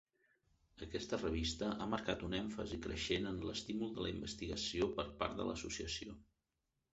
Aquesta revista ha marcat un èmfasi creixent en l'estímul de la investigació per part de l'Associació.